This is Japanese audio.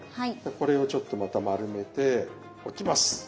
これをちょっとまた丸めて置きます。